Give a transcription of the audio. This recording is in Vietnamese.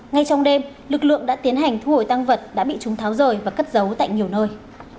ngay trong đêm lực lượng đã tiến hành thu hồi tăng vật đã bị chúng tháo rời và cất giấu tại nhiều nơi